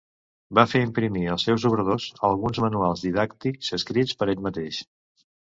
Va fer imprimir als seus obradors alguns manuals didàctics escrits per ell mateix.